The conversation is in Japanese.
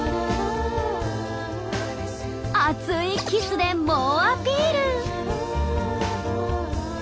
熱いキスで猛アピール。